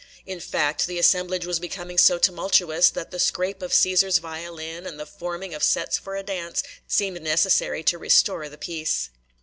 In fact, the assemblage was becoming so tumultuous, that the scrape of Cæsar's violin, and the forming of sets for a dance, seemed necessary to restore the peace.